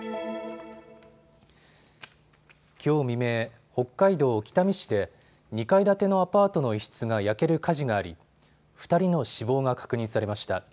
きょう未明、北海道北見市で２階建てのアパートの一室が焼ける火事があり２人の死亡が確認されました。